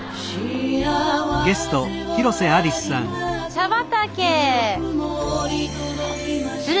茶畑！